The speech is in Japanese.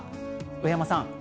上山さん